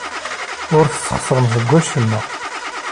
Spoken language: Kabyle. Ur tesxeṣremt deg wacemma.